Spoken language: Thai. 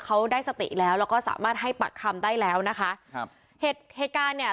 เขาได้สติแล้วแล้วก็สามารถให้ปากคำได้แล้วนะคะครับเหตุการณ์เนี่ย